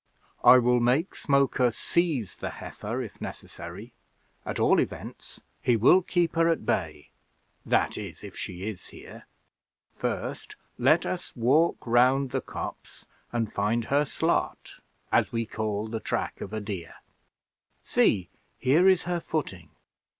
I will make Smoker seize the heifer, if necessary; at all events he will keep her at bay that is, if she is here. First, let us walk round the copse and find her slot, as we call the track of a deer. See, here is her footing.